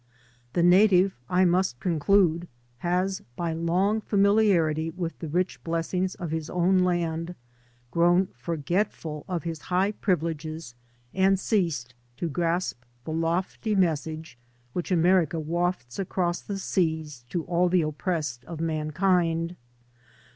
The native, I must conclude, has, by long familiarity with the rich blessings of his own land, grown forgetful of his high privileges and ceased to grasp the lofty mes sage which America wafts across the seas to all the oppressed of mankind.